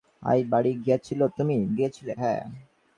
অমূল্যর সঙ্গে সন্ধ্যার পর শশী তার বাড়ি গিয়াছিল।